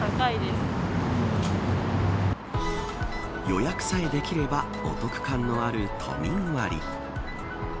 予約さえできればお得感のある都民割。